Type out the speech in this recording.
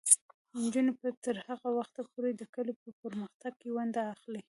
نجونې به تر هغه وخته پورې د کلي په پرمختګ کې ونډه اخلي.